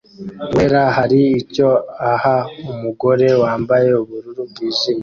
wera hari icyo aha umugore wambaye ubururu bwijimye